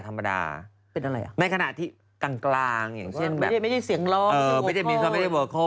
ธรรมดาในขณะที่กลางอย่างเช่นไม่ได้เสียงร้องไม่ได้โวคัล